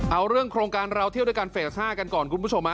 เอาเรื่องโครงการเราเที่ยวด้วยกันเฟส๕กันก่อนคุณผู้ชม